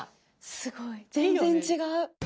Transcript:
すごい全然違う。